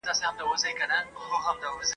دې غونډي ته یوه جاهل ..